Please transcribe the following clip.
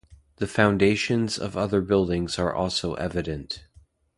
The foundations of other buildings are also evident.